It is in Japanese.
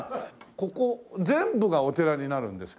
ここ全部がお寺になるんですか？